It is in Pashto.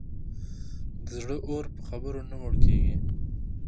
د زړه اور په خبرو نه مړ کېږي.